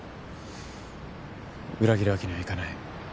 裏切るわけにはいかない。